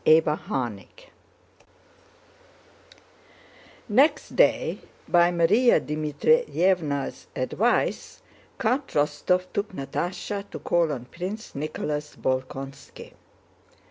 CHAPTER VII Next day, by Márya Dmítrievna's advice, Count Rostóv took Natásha to call on Prince Nicholas Bolkónski.